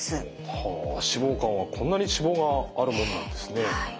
はあ脂肪肝はこんなに脂肪があるもんなんですね。